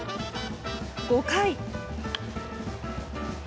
５回。